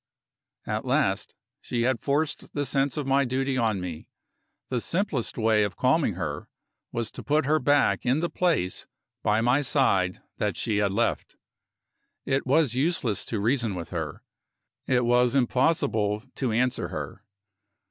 At last, she had forced the sense of my duty on me. The simplest way of calming her was to put her back in the place by my side that she had left. It was useless to reason with her, it was impossible to answer her.